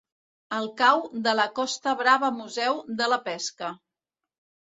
El Cau de la Costa Brava-Museu de la Pesca.